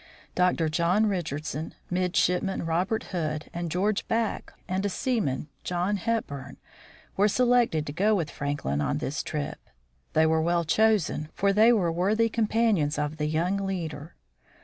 Dr. John Richardson, midshipmen Robert Hood and George Back, and a seaman, John Hepburn, were selected to go with Franklin on this trip; they were well chosen, for they were worthy companions of the young leader.